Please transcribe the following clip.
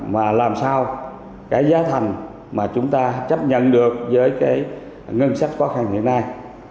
mà làm sao giá thành mà chúng ta chấp nhận được với ngân sách quá khăn hiện nay